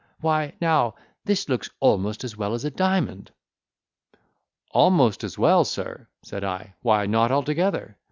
Why, now, this looks almost as well as a diamond." "Almost as well, Sir!" said I, "Why not altogether?